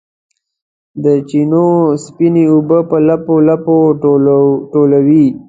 د چینو سپینې اوبه په لپو، لپو ټولوي